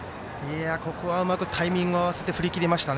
ここは、うまくタイミング合わせ振り切りました。